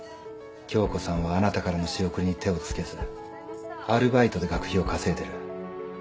恭子さんはあなたからの仕送りに手を付けずアルバイトで学費を稼いでる。